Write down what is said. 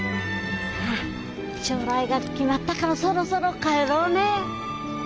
さ将来が決まったからそろそろ帰ろうねえ。